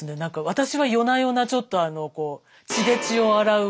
私は夜な夜なちょっとあのこう血で血を洗う？